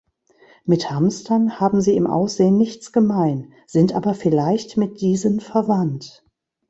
Mit Hamstern haben sie im Aussehen nichts gemein, sind aber vielleicht mit diesen verwandt.